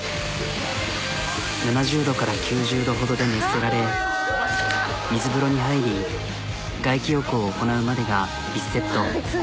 ７０℃から９０℃ほどで熱せられ水風呂に入り外気浴を行なうまでが１セット。